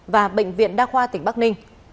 và bệnh viện đa khoa tỉnh bắc ninh